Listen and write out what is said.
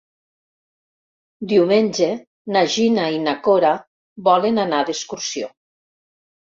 Diumenge na Gina i na Cora volen anar d'excursió.